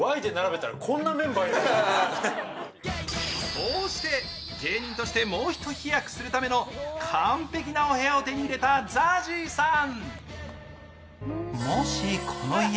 こうして芸人としてもう一飛躍するための完璧なお部屋を手に入れたＺＡＺＹさん。